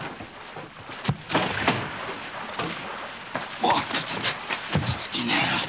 おっと落ち着きねえよ。